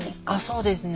そうですね。